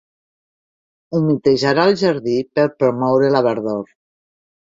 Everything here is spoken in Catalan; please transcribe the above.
Humitejarà el jardí per promoure la verdor.